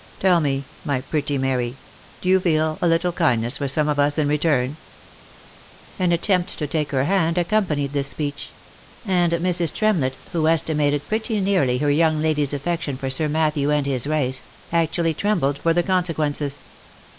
Tell me, my pretty Mary, do you feel a little kindness for some of us in return ?" An attempt to take her hand accompanied this speech ; and Mrs. Tremlett, who estimated pretty nearly her young lady's affection for Sir Matthew and his race, actually trembled for the consequences.